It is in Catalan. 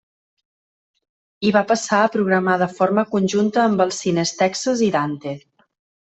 I va passar a programar de forma conjunta amb els cines Texas i Dante.